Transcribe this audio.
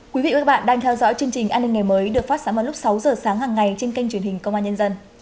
quý vị và các bạn đang theo dõi chương trình an ninh ngày mới được phát sóng vào lúc sáu giờ sáng hàng ngày trên kênh truyền hình công an nhân dân